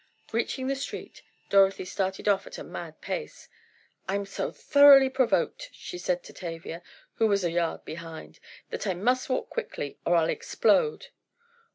Reaching the street Dorothy started off at a mad pace. "I'm so thoroughly provoked," she said to Tavia, who was a yard behind, "that I must walk quickly or I'll explode."